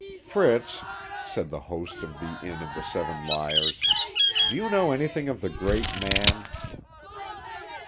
"Fritz," said the host of the inn of The Seven Liars, "do you know anything of the great man?"